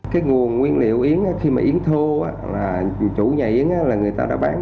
cái nguồn nguyên liệu yến khi mà yến thô là chủ nhà yến là người ta đã bán